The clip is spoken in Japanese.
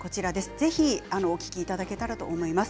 ぜひお聞きいただけたらと思います。